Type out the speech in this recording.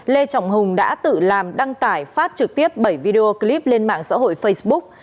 lê trọng hùng đã tự làm đăng tải phát trực tiếp bảy video clip lên mạng xã hội facebook